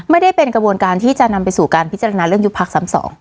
ไม่ได้เป็นกระบวนการที่จะนำไปสู่การพิจารณาเรื่องยุบพักซ้ำสอง